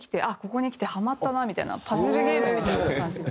ここにきてハマったなみたいなパズルゲームみたいな感じ。